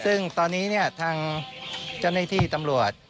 ซึ่งตอนนี้ทางเจ้าหน้าที่ตำรวจ